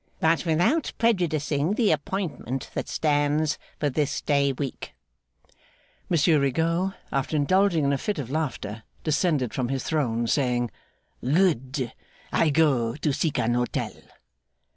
But without prejudicing the appointment that stands for this day week.' Monsieur Rigaud, after indulging in a fit of laughter, descended from his throne, saying, 'Good! I go to seek an hotel!